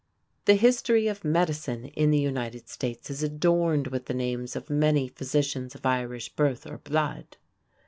The history of medicine in the United States is adorned with the names of many physicians of Irish birth or blood.